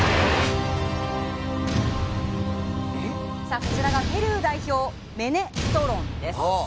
こちらがペルー代表メネストロンです。